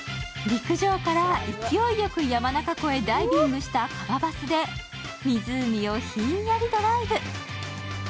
陸上から勢いよく山中湖にダイブしたＫＡＢＡバスで湖をひんやりドライブ。